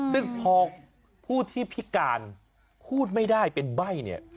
ซึ่งพอผู้ที่พิการพูดไม่ได้เป็นใบ้เนี่ย